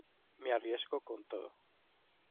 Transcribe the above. me arriesgo con todo.